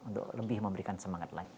untuk lebih memberikan semangat lagi